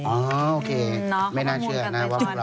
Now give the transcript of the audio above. โอเคไม่น่าเชื่อนะว่าเราโง่